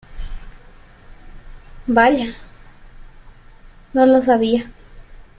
La restricción concomitante de sodio puede ser beneficiosa cuando se utiliza captopril en monoterapia.